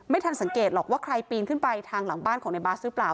ทันสังเกตหรอกว่าใครปีนขึ้นไปทางหลังบ้านของในบาสหรือเปล่า